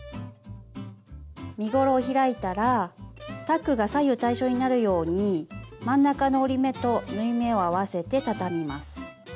身ごろを開いたらタックが左右対称になるように真ん中の折り目と縫い目を合わせて畳みます。